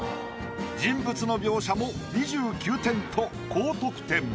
人物の描写も２９点と高得点。